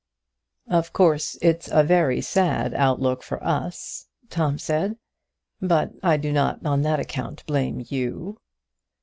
"Of course, it's a very sad look out for us," Tom said; "but I do not on that account blame you."